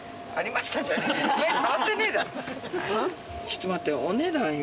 ちょっと待ってよ。